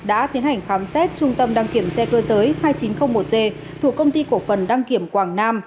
đã tiến hành khám xét trung tâm đăng kiểm xe cơ giới hai nghìn chín trăm linh một g thuộc công ty cổ phần đăng kiểm quảng nam